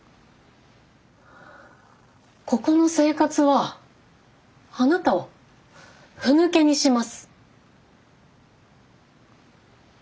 ここの生活はあなたをふぬけにします。